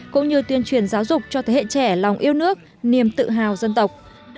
cũng như tuyên truyền giáo dục cho thế hệ trẻ lòng yêu nước niềm tự hào dân tộc